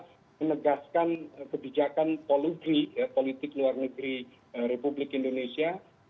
stansis ya bagaimana menegaskan kebijakan politik luar negeri republik indonesia